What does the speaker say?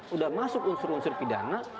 sudah masuk unsur unsur pidana